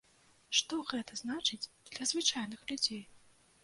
Што гэта значыць для звычайных людзей?